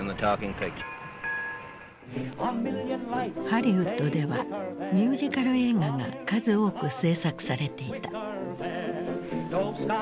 ハリウッドではミュージカル映画が数多く製作されていた。